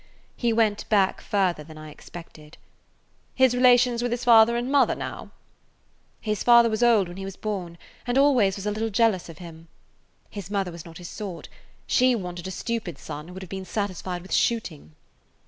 He went back further than I expected. "His relations with his father and mother, now?" "His father was old when he was born, and always was a little jealous of him. His mother was not his sort. She wanted a stupid son who would have been satisfied with shooting."